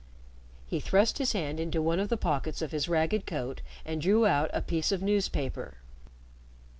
He thrust his hand into one of the pockets of his ragged coat, and drew out a piece of newspaper.